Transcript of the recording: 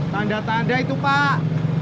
tanda tanda itu pak